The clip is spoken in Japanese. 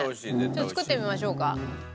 ちょっと作ってみましょうか。